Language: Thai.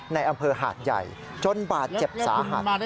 ในอำเภอหาดใหญ่จนบาดเจ็บสาหัส